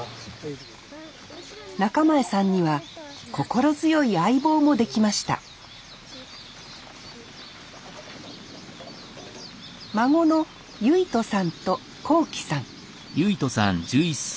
中前さんには心強い相棒もできました孫の結登さんと皓貴さん